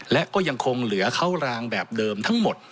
และก็ยังคงเหลือเข้ารางแบบเดิมทั้งหมด